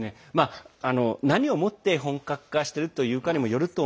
何を持って本格化というかにもよると